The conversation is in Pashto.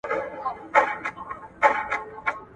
احمد شاه ابدالي څنګه د سیاسي اړیکو پراخوالی ساته؟